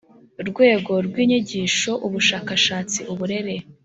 Rwego rw inyigisho ubushakashatsi uburere